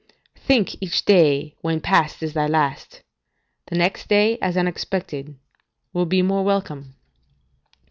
["Think each day when past is thy last; the next day, as unexpected, will be the more welcome."